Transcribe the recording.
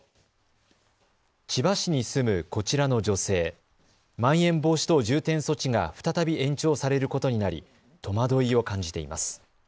千葉市に住むこちらの女性、まん延防止等重点措置が再び延長されることになり戸惑いを感じています。